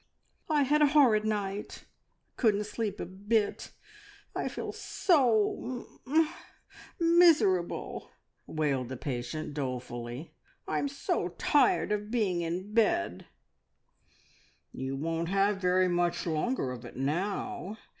"I had a horrid night. I couldn't sleep a bit. I feel so mum mum miserable!" wailed the patient dolefully. "I'm so tired of being in bed." "You won't have very much longer of it now.